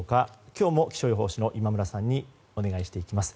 今日も気象予報士の今村さんにお願いしていきます。